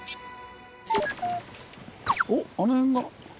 おっあの辺が。